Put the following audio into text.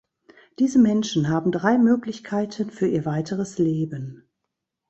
Diese Menschen haben drei Möglichkeiten für ihr weiteres Leben.